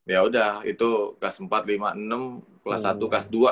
ya udah itu kelas empat lima enam kelas satu kelas dua